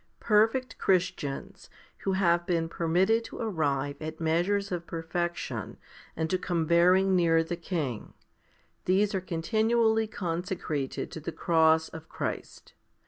i. PERFECT Christians, who have been permitted to arrive at measures of perfection and to come very near the King, these are continually consecrated to the cross of Christ.